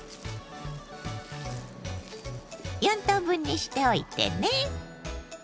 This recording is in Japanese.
４等分にしておいてね。